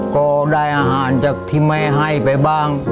ก็ได้อาหารจากที่แม่ให้ไปบ้าง